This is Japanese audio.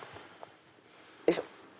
よいしょ。